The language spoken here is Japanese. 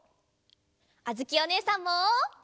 あづきおねえさんも。